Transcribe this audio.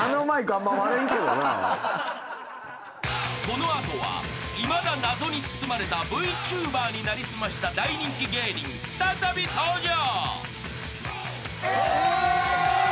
［この後はいまだ謎に包まれたＶＴｕｂｅｒに成り済ました大人気芸人再び登場］